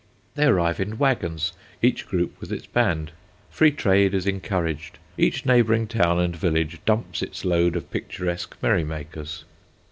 They arrive in wagons, each group with its band. Free trade is encouraged. Each neighbouring town and village "dumps" its load of picturesque merry makers.